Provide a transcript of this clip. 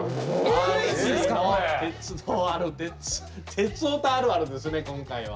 鉄オタあるあるですね今回は。